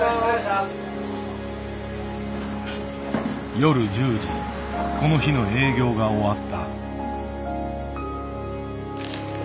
夜１０時この日の営業が終わった。